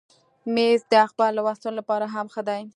مېز د اخبار لوستلو لپاره هم ښه دی.